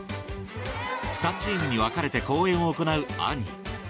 ２チームに分かれて公演を行う『アニー』